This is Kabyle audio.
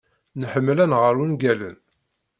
Nḥemmel ad nɣer ungalen.